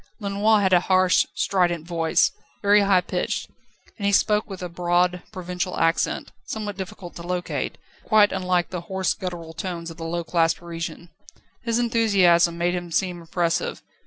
Lenoir had a harsh, strident voice, very high pitched, and he spoke with a broad, provincial accent, somewhat difficult to locate, but quite unlike the hoarse, guttural tones of the low class Parisian. His enthusiasm made him seem impressive.